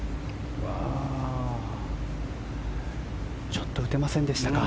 ちょっと打てませんでしたか。